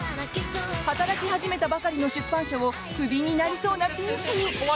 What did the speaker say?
働き始めたばかりの出版社をクビになりそうなピンチに！